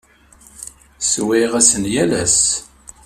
Ssewwayeɣ-asen yal ass.